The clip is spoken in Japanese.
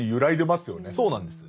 そうなんです。